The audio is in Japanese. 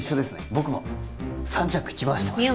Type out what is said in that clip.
僕も３着着回してます